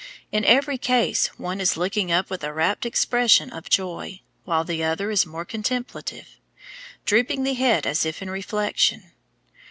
In every case one is looking up with a rapt expression of joy, while the other is more contemplative, drooping the head as if in reflection.